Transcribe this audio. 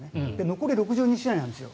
残り６２試合なんです。